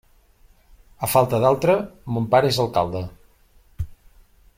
A falta d'altre, mon pare és alcalde.